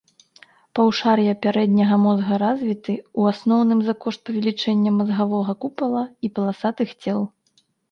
Паўшар'і пярэдняга мозга развіты, у асноўным за кошт павелічэння мазгавога купала і паласатых цел.